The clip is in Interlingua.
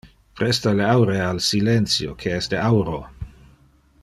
Presta le aure al silentio, que es de auro.